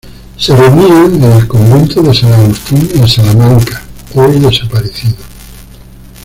Se reunían en el convento de San Agustín en Salamanca, hoy desaparecido.